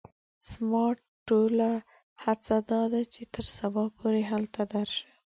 زما ټوله هڅه دا ده چې تر سبا پوري هلته درشم.